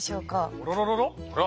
あらららら。